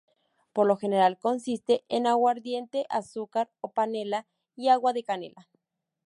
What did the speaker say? Por lo general, consiste en aguardiente, azúcar o panela, y agua de canela.